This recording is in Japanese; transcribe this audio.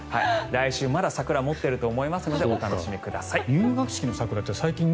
来週まだ桜は持っていると思いますのでお楽しみください。